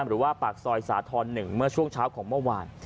หรือว่าปากซอยสาธรณ์๑เมื่อช่วงเช้าของเมื่อวาน